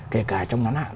kể cả trong ngắn hạng